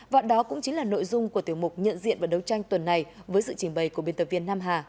và đó cũng chính là nội dung của tiểu mục nhận diện và đấu tranh tuần này với sự trình bày của biên tập viên nam hà